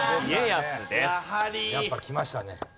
やっぱきましたね。